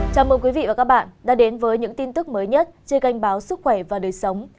chào mừng quý vị và các bạn đã đến với những tin tức mới nhất trên kênh báo sức khỏe và đời sống